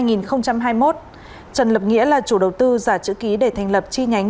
năm hai nghìn hai mươi một trần lập nghĩa là chủ đầu tư giả chữ ký để thành lập chi nhánh